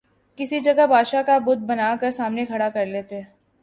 کسی جگہ بادشاہ کا بت بنا کر سامنے کھڑا کرلیتے